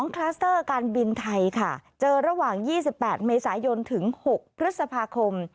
คลัสเตอร์การบินไทยค่ะเจอระหว่าง๒๘เมษายนถึง๖พฤษภาคม